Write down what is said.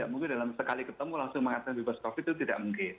mungkin dalam sekali ketemu langsung mengatakan bebas covid itu tidak mungkin